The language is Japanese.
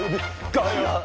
「ガヤ！